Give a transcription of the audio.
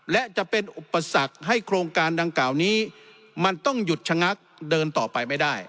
และจะเป็นอุปสรรคให้โครงการดังกล่าวนี้มันต้องหยุดชะงักเดินต่อไปไม่ได้